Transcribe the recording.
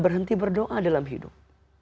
berhenti berdoa dalam hidup